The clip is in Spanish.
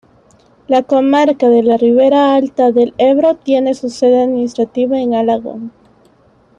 La Comarca de la Ribera Alta del Ebro tiene su sede administrativa en Alagón.